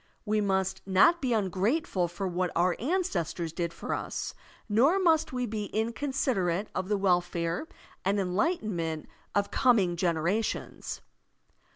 We must not be tmgrate ful for what our ancestors did for us, nor must we be inconsiderate of the welfare and enlighten ment of coming generations.